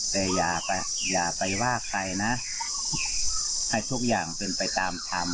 แต่อย่าไปว่าใครนะให้ทุกอย่างเป็นไปตามธรรม